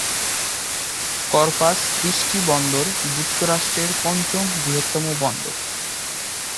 Corpus Christi বন্দর যুক্তরাষ্ট্রের পঞ্চম বৃহত্তম বন্দর।